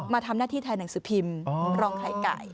มาทำหน้าที่แทนหนังสือพิมพ์รองไข่ไก่